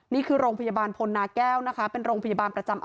นี่คือโรงพยาบาลพลนาแก้วนะคะเป็นโรงพยาบาลประจำ